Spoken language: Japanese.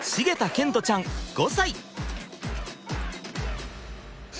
賢澄ちゃん５歳！